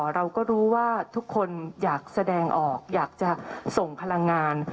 เราก็รู้ว่าทุกคนอยากแสดงออกอยากจะส่งพลังงาน